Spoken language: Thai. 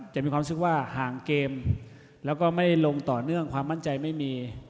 จะมีความรู้สึกว่าห่างเกมแล้วก็ไม่ได้ลงต่อเนื่องความมั่นใจไม่มี